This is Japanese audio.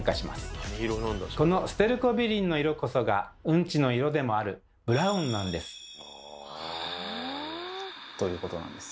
このステルコビリンの色こそがうんちの色でもあるブラウンなんです。ということなんです。